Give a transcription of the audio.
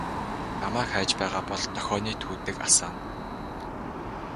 Намайг хайж байгаа бол дохионы түүдэг асаана.